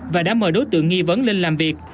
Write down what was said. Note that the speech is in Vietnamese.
và đã mời đối tượng nghi vấn lên làm việc